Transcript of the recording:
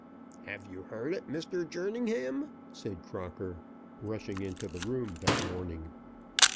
"Have you heard it, Mr. Jerningham?" said Crocker, rushing into the room that morning.